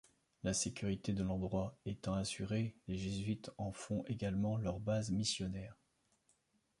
La sécurité de l’endroit étant assurée les jésuites en font également leur base missionnaire.